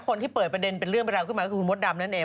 คนที่เปิดประเด็นเป็นเรื่องเป็นราวขึ้นมาก็คือคุณมดดำนั่นเอง